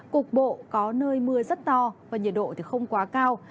cục bộ có nơi mưa rất to và nhiệt độ không quá cao